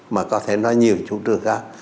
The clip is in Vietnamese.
mà có thể nói nhiều chủ trương khác